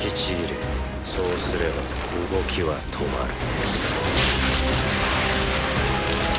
そうすれば動きは止まる。